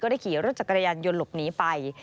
ได้ขี่รถจักรยานยนต์หลบหนีไป